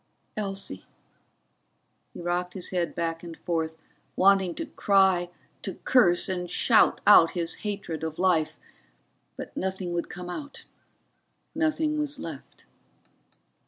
Elsie He rocked his head back and forth, wanting to cry, to curse and shout out his hatred of life. But nothing would come out, nothing was left.